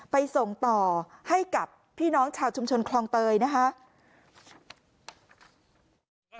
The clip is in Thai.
ไปส่งต่อให้กับพี่น้องชาวชุมชนคลองเตยนะคะ